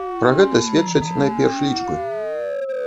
Пра гэта сведчаць найперш лічбы.